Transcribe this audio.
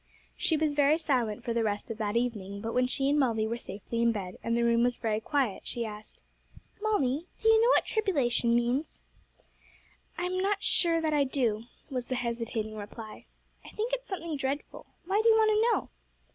She was very silent for the rest of that evening; but when she and Molly were safely in bed, and the room was very quiet, she asked, 'Molly, do you know what tribulation means?' 'I'm not sure that I do,' was the hesitating reply; 'I think it's something dreadful. Why do you want to know?'